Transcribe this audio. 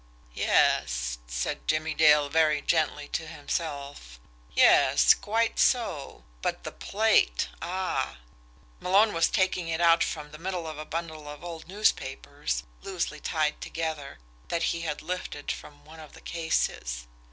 "Yes," said Jimmie Dale very gently to himself. "Yes, quite so but the plate? Ah!" Malone was taking it out from the middle of a bundle of old newspapers, loosely tied together, that he had lifted from one of the cases.